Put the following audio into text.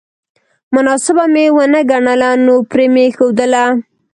مناسبه مې ونه ګڼله نو پرې مې ښودله